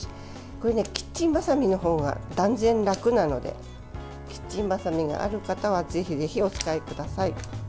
これ、キッチンばさみの方が断然、楽なのでキッチンばさみがある方はぜひぜひお使いください。